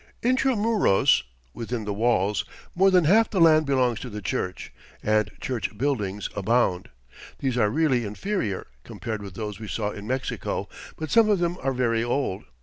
"Intramuros" (within the walls) more than half the land belongs to the Church, and church buildings abound. These are really inferior, compared with those we saw in Mexico, but some of them are very old.